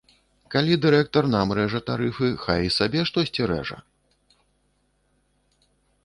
Калі дырэктар нам рэжа тарыфы, хай і сабе штосьці рэжа.